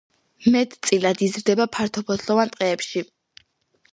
მეტწილად იზრდება ფართოფოთლოვან ტყეებში.